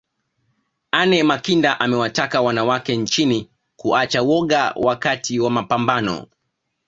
Anne Makinda amewataka wanawake nchini kuacha woga wakati wa mapambano